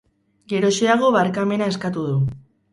Geroxeago barkamena eskatu du.